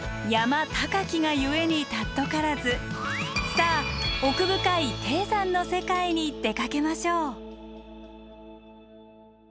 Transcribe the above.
さあ奥深い低山の世界に出かけましょう。